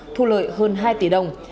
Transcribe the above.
thu lợi hơn hai m hai